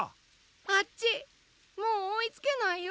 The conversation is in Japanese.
あっちもうおいつけないよ。